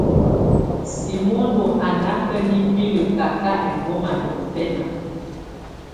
Simónó á ná ká bibilǝ káka ɛmbɔ́má niɔ́fɛna.